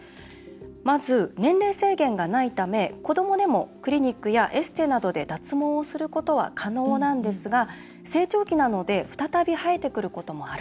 まず、年齢制限がないため子どもでもクリニックやエステなどで脱毛をすることは可能なんですが成長期なので再び生えてくることもある。